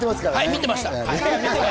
見てました！